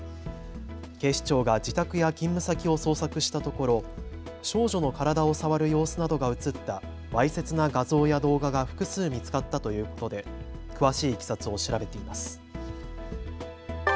警視庁が自宅や勤務先を捜索したところ少女の体を触る様子などが写ったわいせつな画像や動画が複数見つかったということで詳しいいきさつを調べています。